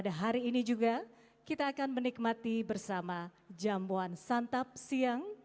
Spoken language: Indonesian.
dan share video ini ke tempat vadu kepada teman tempat kembali